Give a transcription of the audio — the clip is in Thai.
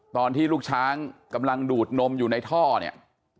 ตอนที่ลูกช้างกำลังดูดนมอยู่ในท่อเนี่ย